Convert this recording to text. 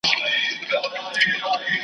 هغه پر د ده د قام او د ټبر وو .